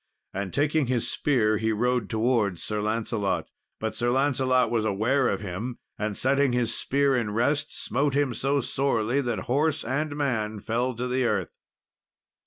and taking his spear he rode towards Sir Lancelot. But Sir Lancelot was aware of him, and, setting his spear in rest, smote him so sorely, that horse and man fell to the earth.